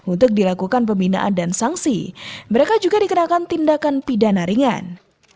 untuk dilakukan pembinaan dan sanksi mereka juga dikenakan tindakan pidana ringan